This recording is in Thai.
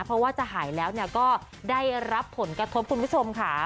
เพราะว่าจะหายแล้วก็ได้รับผลกระทบคุณผู้ชมค่ะ